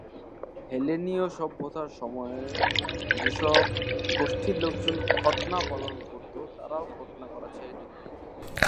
হেলেনিয় সভ্যতার সময়ের যেসব গোষ্ঠীর লোকজন খৎনা পালন করত তারাও খৎনা করা ছেড়ে দিল।